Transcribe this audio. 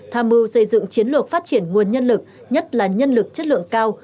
tham mưu xây dựng chiến lược phát triển nguồn nhân lực nhất là nhân lực chất lượng cao